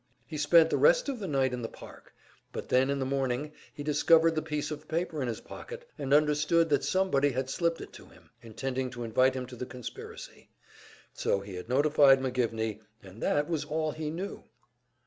He spent the rest of the night in the park. But then in the morning he discovered the piece of paper in his pocket, and understood that somebody had slipped it to him, intending to invite him to the conspiracy; so he had notified McGivney, and that was all he knew.